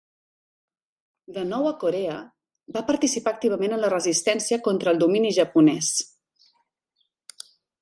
De nou a Corea, va participar activament en la resistència contra el domini japonès.